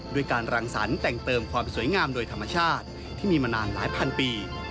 ด้วยการรังสรรค์แต่งเติมความสวยงามโดยธรรมชาติที่มีมานานหลายพันปี